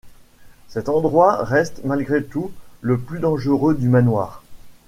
cet endroit reste malgré tout le plus dangereux du manoir.